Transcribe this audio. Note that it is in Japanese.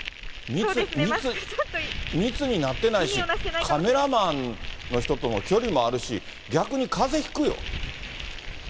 密になってないし、カメラマンの人とも距離もあるし、逆にかぜひくよ。